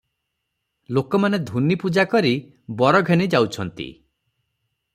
ଲୋକମାନେ ଧୂନି ପୂଜା କରି ବର ଘେନି ଯାଉଛନ୍ତି ।